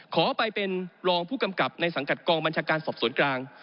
ขอไปเป็นรองผู้กำกับในสังกัดกองบัญชาการสอบสวนกลาง